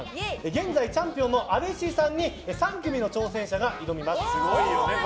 現在チャンピオンのＡｂｅｓｈｉさんに３組の挑戦者が挑みます。